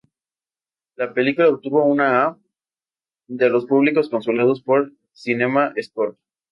La película obtuvo una "A" de los públicos consultados por CinemaScore.